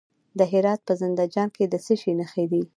د هرات په زنده جان کې د څه شي نښې دي؟